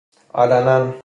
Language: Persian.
علناً